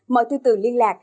mời từ từ liên lạc